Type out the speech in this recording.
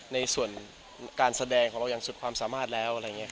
ในส่วนการแสดงของเรายังสุดความสามารถแล้ว